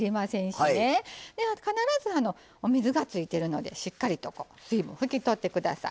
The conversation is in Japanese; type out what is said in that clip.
で必ずお水がついてるのでしっかりとこう水分拭きとって下さい。